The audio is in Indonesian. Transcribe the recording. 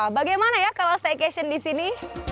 bagaimana ya kalau staycation di sini